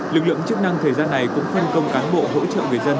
lực lượng chức năng thời gian này cũng phân công cán bộ hỗ trợ người dân